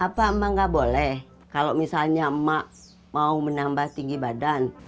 apa emang nggak boleh kalau misalnya emak mau menambah tinggi badan